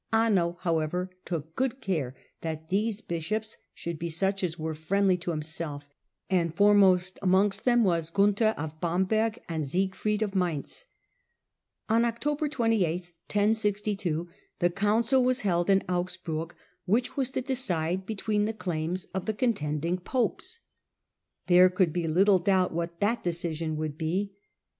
Anno, however, took good care that these bishops should be such as were friendly to himself, and foremost amongst them were Gunther of Bamberg and Siegfried of Mainz. On October 28 the council was held in Augsburg which was to decide between the claims of the con oonndi of tending popes. There could be little doubt i(£? °^* what that decision would be.